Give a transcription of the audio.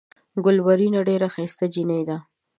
ګلورينه ډېره ښائسته جينۍ ده۔